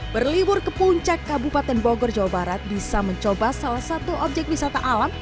berlibur ke puncak kabupaten bogor jawa barat bisa mencoba salah satu objek wisata alam